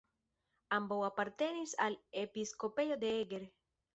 Ambaŭ apartenis al episkopejo de Eger.